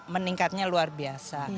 meningkatnya luar biasa